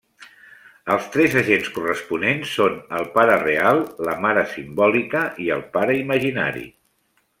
Els tres agents corresponents són el pare real, la mare simbòlica i el pare imaginari.